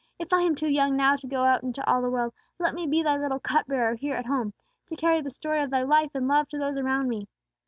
If I am too young now to go out into all the world, let me be Thy little cup bearer here at home, to carry the story of Thy life and love to those around me!"